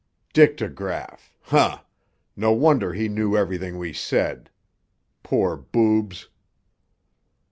Dictograph! Huh! No wonder he knew everything we said. Poor boobs!"